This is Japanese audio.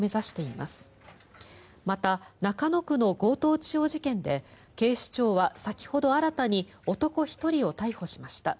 また、中野区の強盗致傷事件で警視庁は、先ほど新たに男１人を逮捕しました。